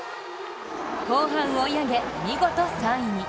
後半追い上げ、見事３位に。